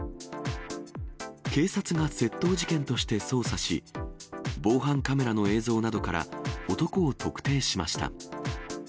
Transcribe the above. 警察が窃盗事件として捜査し、防犯カメラの映像などから、男を特定しました。